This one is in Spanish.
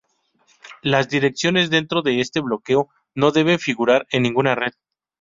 Las direcciones dentro de este bloque no deben figurar en ninguna red.